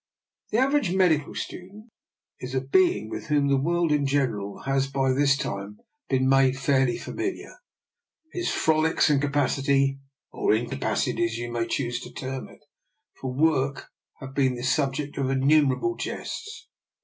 The average medical student is a being with whom the world in general has by this time been made fairly familiar. His frolics and capacity — or incapacity, as you may choose to term it — for work have been the subject of innumerable jests.